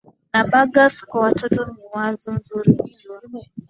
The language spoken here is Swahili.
na burgers kwa watoto ni wazo nzuri kujua